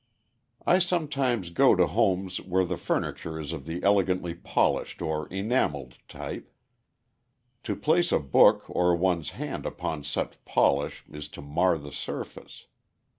I sometimes go to homes where the furniture is of the elegantly polished or "enameled" type. To place a book or one's hand upon such polish is to mar the surface.